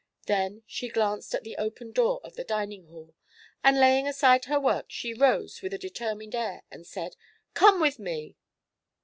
Then she glanced at the open door of the dining hall and laying aside her work she rose with a determined air and said: "Come with me!"